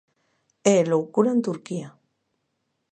E loucura en Turquía.